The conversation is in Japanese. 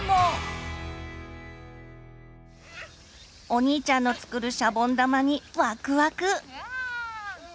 お兄ちゃんの作るシャボン玉にワクワク！